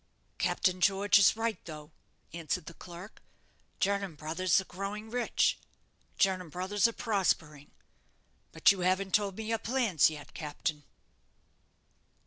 "Captain George is right, though," answered the clerk. "Jernam Brothers are growing rich; Jernam Brothers are prospering. But you haven't told me your plans yet, captain."